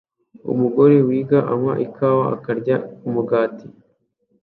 Umugore wiga anywa ikawa akarya umugati